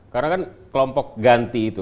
karena kan kelompok ganti itu